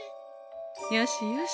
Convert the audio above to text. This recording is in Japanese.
よしよし